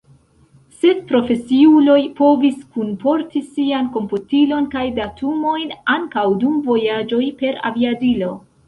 Sed profesiuloj povis kunporti sian komputilon kaj datumojn, ankaŭ dum vojaĝoj per aviadilo.